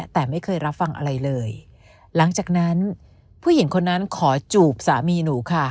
แต่ไม่เคยรับฟังอะไรเลยหลังจากนั้นผู้หญิงคนนั้นขอจูบสามีหนูค่ะ